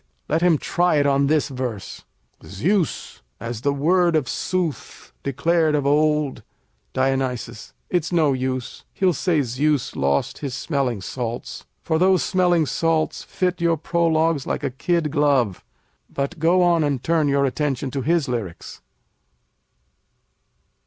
Let him try it on this verse: Zeus, as the word of sooth declared of old Dion. It's no use, he'll say Zeus lost his smelling salts. For those smelling salts fit your prologues like a kid glove. But go on and turn your attention to his lyrics.